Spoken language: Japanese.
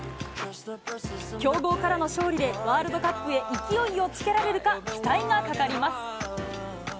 強豪からの勝利でワールドカップへ勢いをつけられるか期待がかかります。